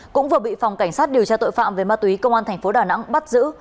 cũng vừa bị phòng cảnh sát điều tra tội phạm về ma túy công an thành phố đà nẵng bắt giữ